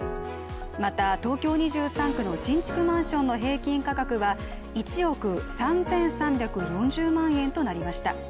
また、東京２３区の新築マンションの平均価格は１億３３４０万円となりました。